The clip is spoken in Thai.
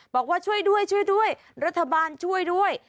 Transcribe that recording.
บอกว่าช่วยด้วยช่วยด้วยรัฐบาลช่วยด้วย